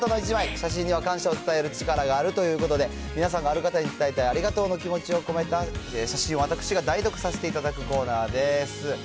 写真には感謝を伝える力があるということで、皆さんがある方に伝えたいありがとうの気持ちを込めた写真を、私が代読させていただくコーナーです。